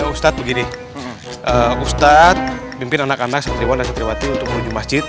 ustadz begini ustadz pimpin anak anak santriwan dan santriwati untuk menuju masjid